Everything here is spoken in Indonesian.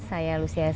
saya lucia sarun